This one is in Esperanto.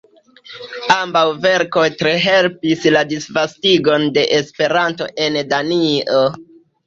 Ambaŭ verkoj tre helpis la disvastigon de Esperanto en Danio.